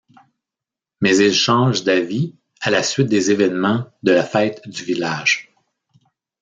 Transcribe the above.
Mais il change d'avis à la suite des événements de la fête du village.